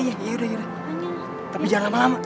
yaudah tapi jangan lama lama